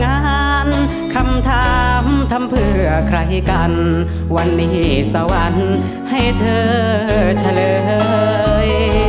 คำถามคำถามทำเพื่อใครกันวันนี้สวรรค์ให้เธอเฉลย